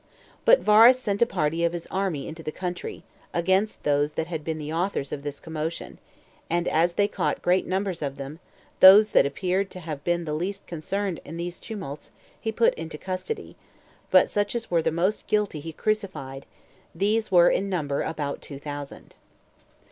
But Varus sent a part of his army into the country, against those that had been the authors of this commotion, and as they caught great numbers of them, those that appeared to have been the least concerned in these tumults he put into custody, but such as were the most guilty he crucified; these were in number about two thousand.